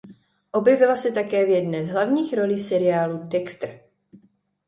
Objevila se také v jedné z hlavních rolích seriálu "Dexter".